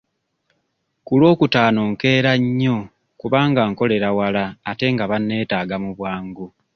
Ku lwokutaano nkeera nnyo kubanga nkolera wala ate banneetaaga mu bwangu.